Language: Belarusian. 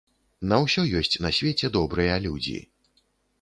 На ўсё ёсць на свеце добрыя людзі!